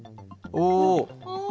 お！